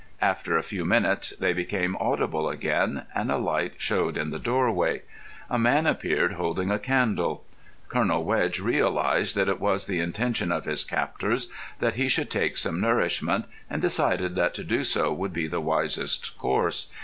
After a few minutes they became audible again, and a light showed in the doorway. A man appeared holding a candle. Colonel Wedge realised that it was the intention of his captors that he should take some nourishment, and decided that to do so would be the wisest course.